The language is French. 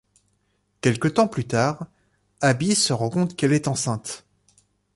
Quelque temps plus tard, Abbie se rend compte qu'elle est enceinte.